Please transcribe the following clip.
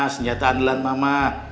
senjata andelan mama